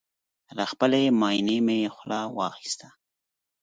له خپلې ماينې مې خوله واخيسته